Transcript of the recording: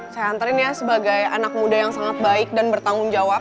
saya anterin ya sebagai anak muda yang sangat baik dan bertanggung jawab